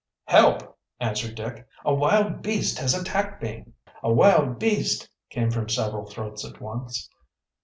"Help!" answered Dick. "A wild beast has attacked me." "A wild beast!" came from several throats at once.